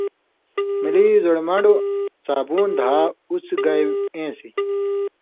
ملی زُوڑہۡ من٘ڈوۡ څابُون دھا اُوڅھہۡ گائ اېن٘سیۡ۔